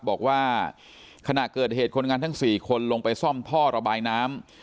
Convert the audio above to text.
บอกว่าขณะเกิดเหตุคนงานทั้ง๔คนลงไปซ่อมท่อระบายน้ำ